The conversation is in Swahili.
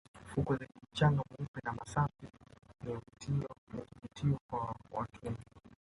fukwe zenye mchanga mweupe na masafi ni kivutio kwa watu wengi